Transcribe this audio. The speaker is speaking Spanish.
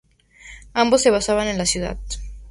Ambos se basan en la ciudad.